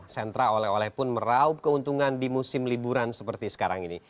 sentra oleh oleh pun meraup keuntungan di musim liburan seperti sekarang ini